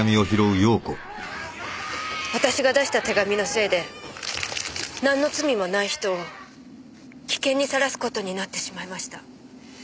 私が出した手紙のせいでなんの罪もない人を危険にさらすことになってしまいました。